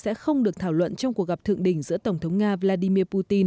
sẽ không được thảo luận trong cuộc gặp thượng đỉnh giữa tổng thống nga vladimir putin